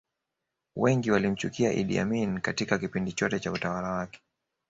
wengi walimchukia idd amin Katika kipindi chote cha utawala wake